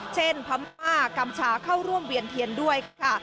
พม่ากัมชาเข้าร่วมเวียนเทียนด้วยค่ะ